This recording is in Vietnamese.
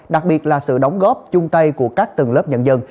đặc biệt là sự đóng góp chung tay của các tầng lớp nhân dân